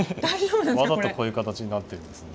わざとこういう形になってるんですね。